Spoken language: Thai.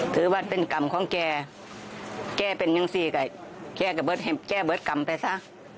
ถือว่าเป็นกรรมของแกแกเป็นยังสิก็แก้กับแก้เบิร์ตกรรมไปซะ